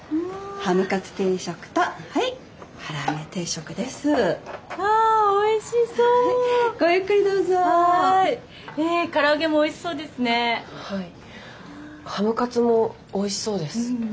ハムカツもおいしそうです。ね。